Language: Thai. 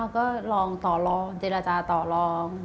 ก็ลองต่อลองเจรจาต่อลอง